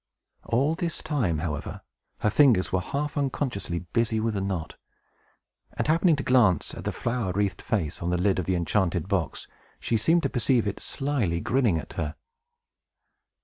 All this time, however, her fingers were half unconsciously busy with the knot; and happening to glance at the flower wreathed face on the lid of the enchanted box, she seemed to perceive it slyly grinning at her.